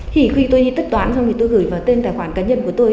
thì khi tôi đi tất toán xong thì tôi gửi vào tên tài khoản cá nhân của tôi